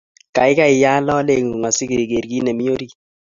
kaikai yaat loleng'ung asi ogeer kiit nemii orit